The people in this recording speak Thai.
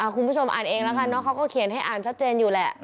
คุณผู้ชมอ่านเองแล้วเขาก็เขียนให้อ่านซัดเจนอยู่แล้ว